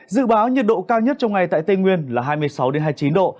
dự báo nhiệt độ cao nhất trong ngày tại tây nguyên là hai mươi sáu hai mươi chín độ